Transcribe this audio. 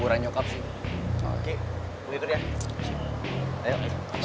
apaan itu tapi aku ngurus